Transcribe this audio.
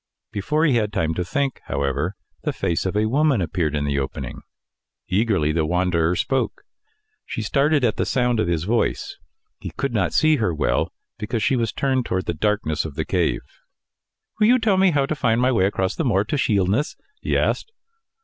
Before he had time to think, however, the face of a woman appeared in the opening. Eagerly the wanderer spoke. She started at the sound of his voice. He could not see her well, because she was turned towards the darkness of the cave. "Will you tell me how to find my way across the moor to Shielness?" he asked.